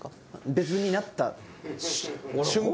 別になった瞬間。